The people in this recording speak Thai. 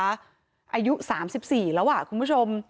อายุ๓๔แล้วคุณผู้ชม